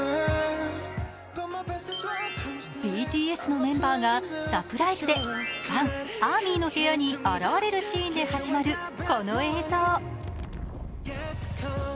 ＢＴＳのメンバーがサプライズでファン、ＡＲＭＹの部屋に現れるシーンで始まるこの映像。